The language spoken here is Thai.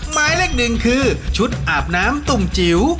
หมายเลขหนึ่งคือชุดอาบน้ำตุ่มจิ๋ว